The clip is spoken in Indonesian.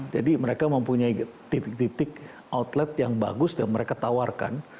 jadi mereka mempunyai titik titik outlet yang bagus yang mereka tawarkan